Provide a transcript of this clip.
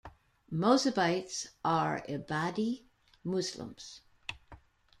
Mozabites are Ibadi Muslims.